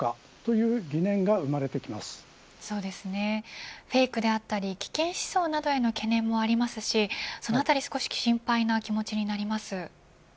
そうですね、フェイクだったり危険思想への懸念もありますしそのあたりが少し心配な気持ちもあります。